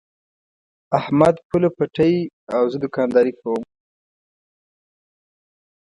احمد پوله پټی او زه دوکانداري کوم.